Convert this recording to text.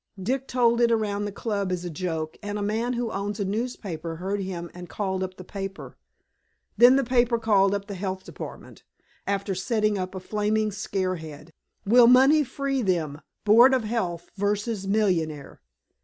Dick told it around the club as a joke, and a man who owns a newspaper heard him and called up the paper. Then the paper called up the health office, after setting up a flaming scare head, "Will Money Free Them? Board of Health versus Millionaire."